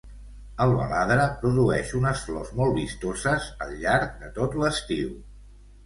El baladre produeix unes flors molt vistoses al llarg de tot l'estiu.